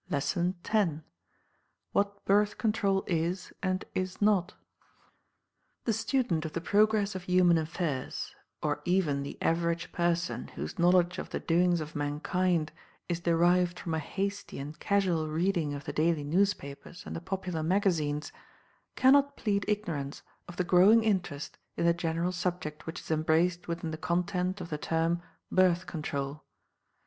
LESSON X WHAT BIRTH CONTROL IS, AND IS NOT The student of the progress of human affairs, or even the average person whose knowledge of the doings of mankind is derived from a hasty and casual reading of the daily newspapers and the popular magazines, cannot plead ignorance of the growing interest in the general subject which is embraced within the content of the term "Birth Control."